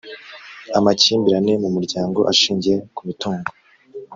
Amakimbirane mu muryango ashingiye ku mitungo